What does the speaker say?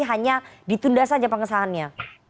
hanya ditunda saja pengesahannya